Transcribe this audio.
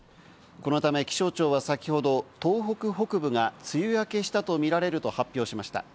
このため、気象庁は先ほど東北北部が梅雨明けしたとみられると発表しました。